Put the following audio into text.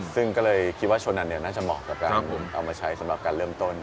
ซึ่งก็เลยคิดว่าโชนันเนี่ยน่าจะเหมาะกับการลงทุนเอามาใช้สำหรับการเริ่มต้น